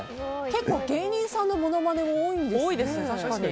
結構芸人さんのものまねが多いんですね。